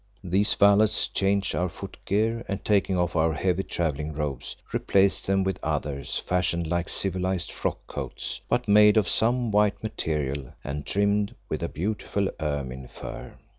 These valets changed our foot gear, and taking off our heavy travelling robes, replaced them with others fashioned like civilized frock coats, but made of some white material and trimmed with a beautiful ermine fur.